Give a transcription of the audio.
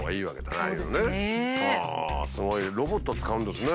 すごいロボット使うんですね。